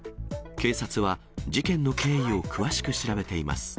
警察は事件の経緯を詳しく調べています。